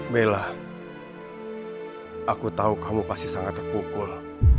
bella aku tahu kamu pasti sangat terpukul